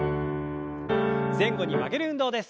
前後に曲げる運動です。